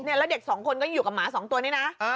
แล้วเด็กสองคนก็ยังอยู่กับหมา๒ตัวนี้นะ